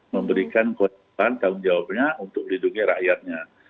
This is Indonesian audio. memberikan kewajiban tanggung jawabnya untuk melindungi rakyatnya